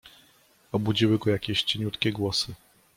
Obudziły go jakieś cieniutkie głosy.